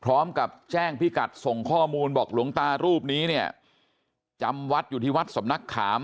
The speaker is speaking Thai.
พร้อมกับแจ้งพิกัดส่งข้อมูลบอกหลวงตารูปนี้เนี่ยจำวัดอยู่ที่วัดสำนักขาม